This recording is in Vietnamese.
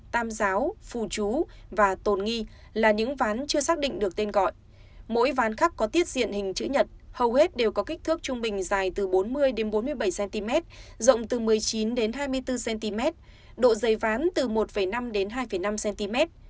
tam giáo phù chú và tồn nghi là những ván chưa xác định được tên gọi mỗi ván khắc có tiết diện hình chữ nhật hầu hết đều có kích thước trung bình dài từ bốn mươi bốn mươi bảy cm rộng từ một mươi chín hai mươi bốn cm độ dày ván từ một năm đến hai năm cm